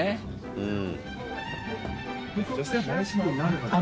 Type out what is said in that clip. うん。